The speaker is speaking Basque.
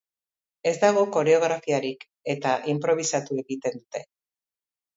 Ez dago koreografiarik, eta inprobisatu egiten dute.